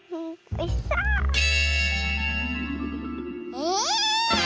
え